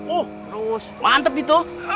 oh mantep gitu